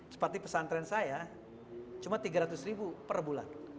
seperti pesantren saya cuma tiga ratus ribu per bulan